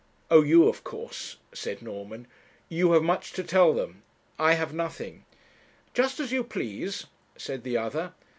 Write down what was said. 'Oh! you, of course,' said Norman; 'you have much to tell them; I have nothing.' 'Just as you please,' said the other.